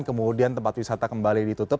kemudian tempat wisata kembali ditutup